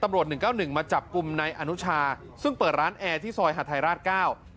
หนึ่งเก้าหนึ่งมาจับกลุ่มในอนุชาซึ่งเปิดร้านแอร์ที่ซอยหาทัยราชเก้า